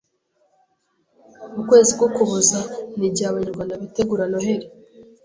mu kwezi k’ Ukuboza, n’igihe abanyarwanda bitegura noheri